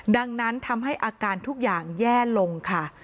ดังนั้นทำให้อาการทุกอย่างแย่ลงค่ะ